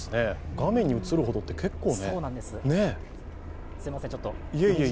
画面に映るほどって、結構ね。